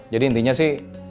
jadi intinya sih